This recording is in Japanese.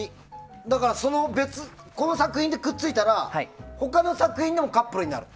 だからこの作品でくっついたら他の作品でもカップルになると。